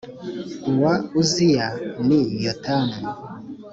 uwa Uziya ni Yotamu